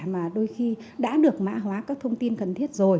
mà đôi khi đã được mã hóa các thông tin cần thiết rồi